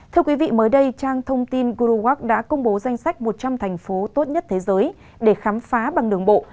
thưa quý vị mới đây trang thông tin grouwak đã công bố danh sách một trăm linh thành phố tốt nhất thế giới để khám phá bằng đường bộ